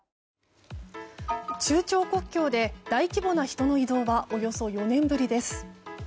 中朝国境で大規模な人の移動はおよそ４年ぶりです。